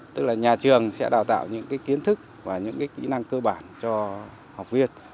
tức là nhà trường sẽ đào tạo những kiến thức và những kỹ năng cơ bản cho học viên